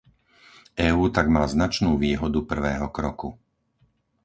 EÚ tak má značnú výhodu prvého kroku.